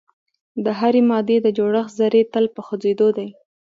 د هرې مادې د جوړښت ذرې تل په خوځیدو دي.